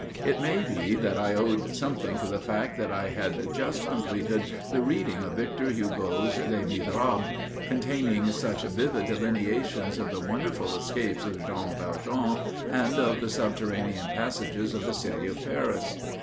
It may be that I owed something to the fact that I had just completed the reading of Victor Hugo's "Les Misérables," containing such vivid delineations of the wonderful escapes of Jean Valjean, and of the subterranean passages of the city of Paris.